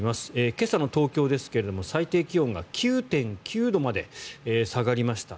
今朝の東京ですが最低気温が９．９度まで下がりました。